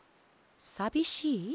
「さびしい？」。